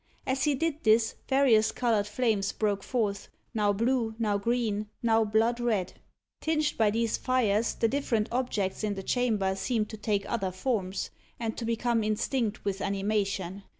As he did this, various coloured flames broke forth now blue, now green, now blood red. Tinged by these fires, the different objects in the chamber seemed to take other forms, and to become instinct with animation.